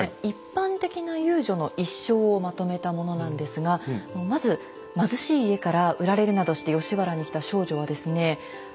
一般的な遊女の一生をまとめたものなんですがまず貧しい家から売られるなどして吉原に来た少女はですね